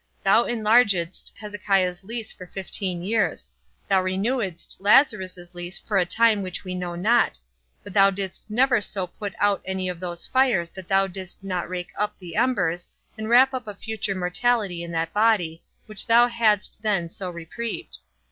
Thou enlargedst Hezekiah's lease for fifteen years; thou renewedst Lazarus's lease for a time which we know not; but thou didst never so put out any of these fires as that thou didst not rake up the embers, and wrap up a future mortality in that body, which thou hadst then so reprieved.